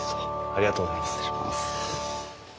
ありがとうございます。